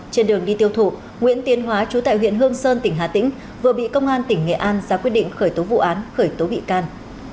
trên đường đi tiêu thụ nguyễn tiến hóa chú tại huyện hương sơn tỉnh hà tĩnh vừa bị công an tỉnh nghệ an ra quyết định khởi tố vụ án khởi tố bị can